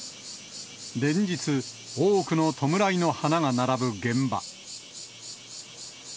連日、多くの弔いの花が並ぶ現場。